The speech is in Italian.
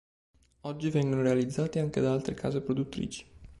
Oggi vengono realizzati anche da altre case produttrici.